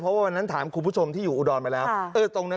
เพราะวันนั้นถามคุณผู้ชมที่อยู่อูดอนไปแล้วเออตรงนั้น